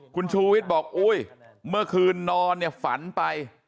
คุณชูวิทย์บอกอุ๊ยเมื่อคืนนอนเนี่ยฝันไป